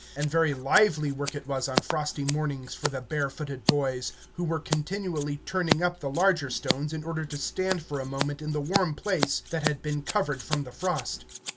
And very lively work it was on frosty mornings for the barefooted boys, who were continually turning up the larger stones in order to stand for a moment in the warm place that had been covered from the frost.